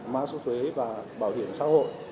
má số thuế và bảo hiểm xã hội